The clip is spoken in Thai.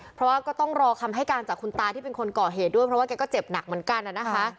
เพราะว่าก็ต้องรอคำให้การจากคุณตาที่เป็นคนก่อเหตุด้วยเพราะว่าแกก็เจ็บหนักเหมือนกันนะคะ